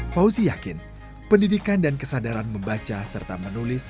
fauzi yakin pendidikan dan kesadaran membaca serta menulis